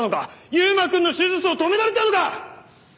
優馬くんの手術を止められたのか！？